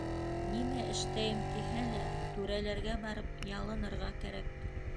Нимә эштәйем тиһә лә түрәләргә барып ялынырға кәрәк.